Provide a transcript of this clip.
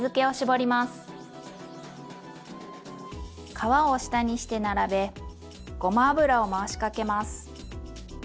皮を下にして並べごま油を回しかけます。